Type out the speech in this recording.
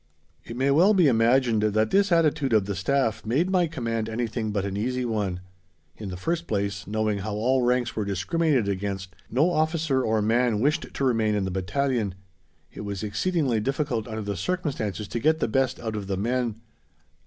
It may well be imagined that this attitude of the Staff made my command anything but an easy one. In the first place, knowing how all ranks were discriminated against, no officer or man wished to remain in the battalion. It was exceedingly difficult under the circumstances to get the best out of the men.